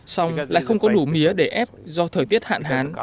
xong lại không có đủ mía để ép do thời tiết hạn hán